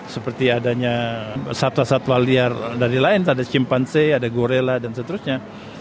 seperti adanya satwa satwa liar dari lain ada cimpanse ada gorela dan seterusnya